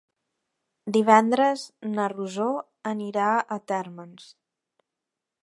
Divendres na Rosó anirà a Térmens.